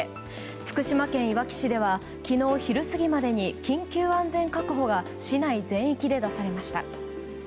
福島県いわき市では昨日、昼過ぎまでに緊急安全確保が市内全域で出されました。